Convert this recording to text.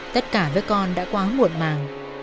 tất cả với con đã quá muộn màng